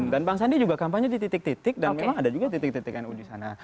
dan bangsa ini juga kampanye di titik titik dan memang ada juga titik titikan uji sana